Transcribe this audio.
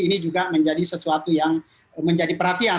ini juga menjadi sesuatu yang menjadi perhatian